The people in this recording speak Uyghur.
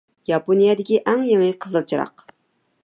ياپونىيەدىكى ئەڭ يېڭى قىزىل چىراغ.